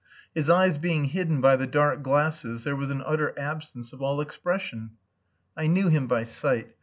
His eyes being hidden by the dark glasses there was an utter absence of all expression. I knew him by sight.